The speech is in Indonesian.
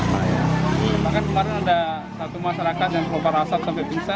maka kemarin ada satu masyarakat yang kelopar asap sampai bisa